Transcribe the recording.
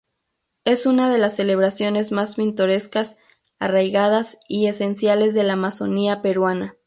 Es una de las celebraciones más pintorescas, arraigadas y esenciales de la amazonia peruana.